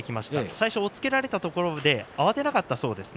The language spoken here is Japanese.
最初、押っつけられたところで慌てなかったそうです。